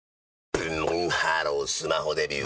ブンブンハロースマホデビュー！